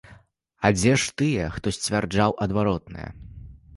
А дзе ж тыя, хто сцвярджаў адваротнае?